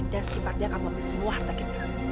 dan setiap hari dia akan membeli semua harta kita